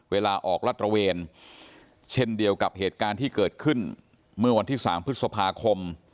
เวลาออกรัดระเวนเช่นเดียวกับเหตุการณ์ที่เกิดขึ้นเมื่อวันที่๓พฤษภาคม